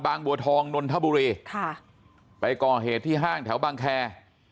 บัวทองนนทบุรีค่ะไปก่อเหตุที่ห้างแถวบางแคร์